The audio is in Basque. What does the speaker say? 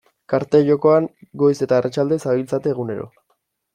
Karta jokoan goiz eta arratsalde zabiltzate egunero.